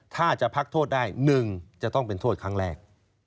ถ้าจะพักโทษได้๑จะต้องเป็นโทษครั้งแรก